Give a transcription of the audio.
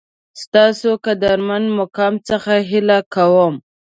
ستاسو قدرمن مقام څخه هیله کوم